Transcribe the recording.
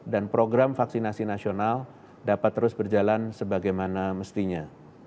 dan program vaksinasi nasional dapat terus berjalan sebagaimana mestinya